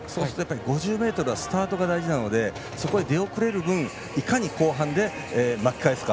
５０ｍはスタートが大事なのでそこで出遅れる分、いかに後半で巻き返すか。